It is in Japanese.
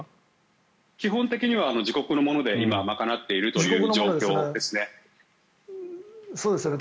基本的には自国のもので今、賄っているという状況ですね。